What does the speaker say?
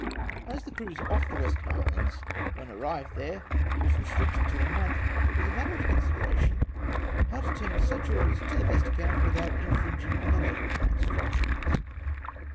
As the cruise ofl" the Western Islands — when arrived CAPTURE OF THE CAROLINA. 173 there — was restricted to a month, it was matter of con sideration how to turn such orders to the best account, without infringing on the letter of my instructions.